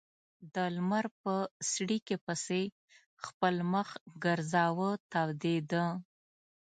د لمر په څړیکې پسې خپل مخ ګرځاوه تودېده.